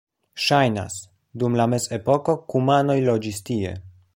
Ŝajnas, dum la mezepoko kumanoj loĝis tie.